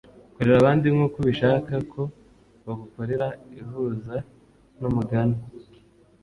korera abandi nkuko ubishaka ko bagukorera ihuza numugani